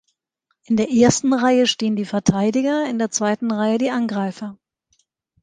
In der ersten Reihe stehen die Verteidiger, in der zweiten Reihe die Angreifer.